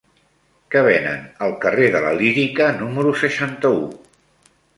Què venen al carrer de la Lírica número seixanta-u?